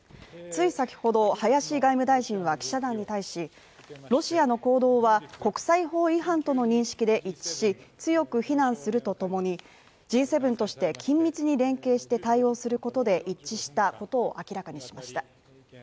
つい先ほど林外務大臣は記者団に対し、ロシアの行動は国際法違反との認識で一致し、強く非難するとともに、Ｇ７として緊密に連携して対応することで一致したことを明らかにしました。